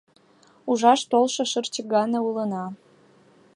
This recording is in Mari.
Ужаш толшо шырчык гане улына.